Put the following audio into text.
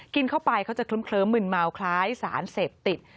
กินเข้าไปเขาจะเคลิ้มมึนเมาคล้ายสารเสพติด